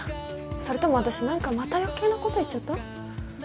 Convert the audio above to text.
それとも私何かまた余計なこと言っちゃった？